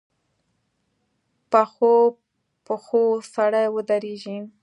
پخو پښو سړی ودرېږي